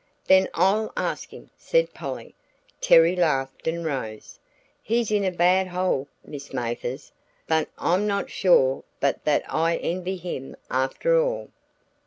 "Then I'll ask him!" said Polly. Terry laughed and rose. "He's in a bad hole, Miss Mathers, but I'm not sure but that I envy him after all."